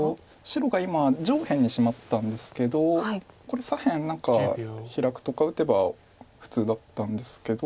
白が今上辺にシマったんですけどこれ左辺何かヒラくとか打てば普通だったんですけど。